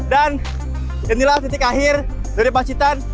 dan inilah titik akhir dari pacitan